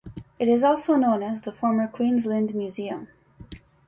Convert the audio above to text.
It is also known as the former Queensland Museum.